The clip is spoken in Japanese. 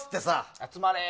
集まれー！